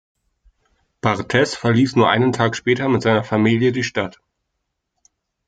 Barthez verließ nur einen Tag später mit seiner Familie die Stadt.